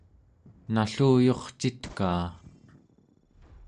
nalluyurcitkaa